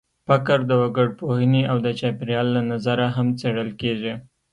فقر د وګړپوهنې او د چاپېریال له نظره هم څېړل کېږي.